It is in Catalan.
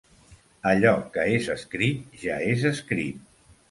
Allò que és escrit, ja és escrit.